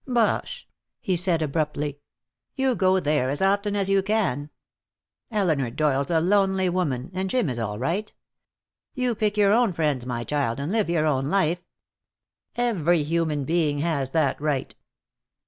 "Bosh," he said, abruptly. "You go there as often as you can. Elinor Doyle's a lonely woman, and Jim is all right. You pick your own friends, my child, and live your own life. Every human being has that right."